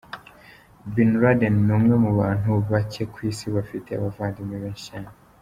Ben Laden ni umwe mu bantu bake ku Isi bafite abavandimwe benshi cyane.